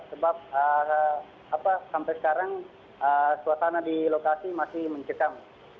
sebab sampai sekarang suasana di lokasi masih mencekam